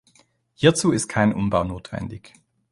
Hierzu ist kein Umbau notwendig.